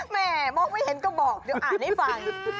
แม่มองไม่เห็นก็บอกด้วยอ่านให้ฟัง